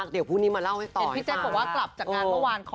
เดี๋ยวพรุ่งนี้มาเล่าให้ต่อก่อน